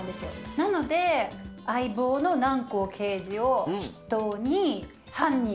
なので相棒の南光刑事を筆頭に犯人逮捕。